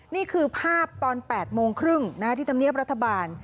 นี่คือภาพตอน๘โมงครึ่งที่ทำเนียบรัฐบาล